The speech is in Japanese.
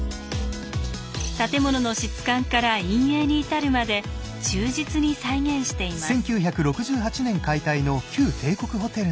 建物の質感から陰影に至るまで忠実に再現しています。